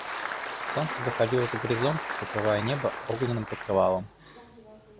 Солнце заходило за горизонт, покрывая небо огненным покрывалом.